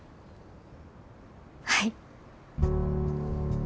はい。